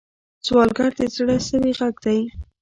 سوالګر د زړه سوې غږ دی